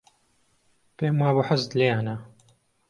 پێم وابوو حەزت لێیانە.